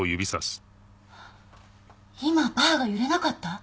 今バーが揺れなかった？